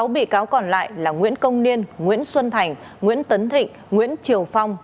sáu bị cáo còn lại là nguyễn công niên nguyễn xuân thành nguyễn tấn thịnh nguyễn triều phong